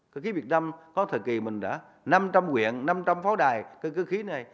cơ khí việt nam có thời kỳ mình đã năm trăm linh quyện năm trăm linh pháo đài cơ khí này